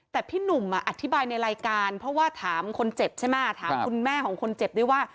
แต่พี่หนุ่มอธิบายในรายการเพราะว่าถามคนเจ็บใช่ไหมถามคุณแม่ของคนเจ็บด้วยว่า